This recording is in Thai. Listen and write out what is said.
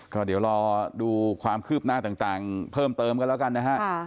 ก็เดี๋ยวรอดูความคืบหน้าต่างเพิ่มเติมกันแล้วกันนะฮะ